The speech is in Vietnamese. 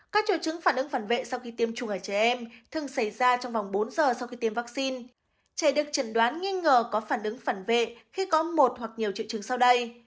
các triệu chứng phản ứng phản vệ sau khi tiêm chủng ở trẻ em thường xảy ra trong vòng bốn giờ sau khi tiêm vaccine trẻ được chẩn đoán nghi ngờ có phản ứng phản vệ khi có một hoặc nhiều triệu chứng sau đây